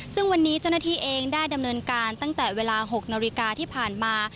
ซึ่งวันนี้เจ้าหน้าที่เองได้ดำเนินการตั้งแต่เวลา๖นาฬิกาที่ผ่านมา